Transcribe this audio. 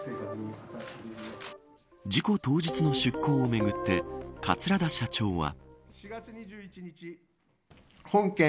事故当日の出航をめぐって桂田社長は。